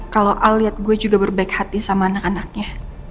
kalau al lihat gue juga berbaik hati sama anak anaknya